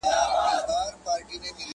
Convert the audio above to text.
له پاڼو تشه ده ویجاړه ونه.!